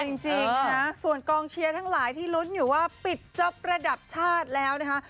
จริงค่ะส่วนกองเชียร์ทั้งหลายที่ลุ้นอยู่ว่าปิดจะประดับชาติแล้วนะคะ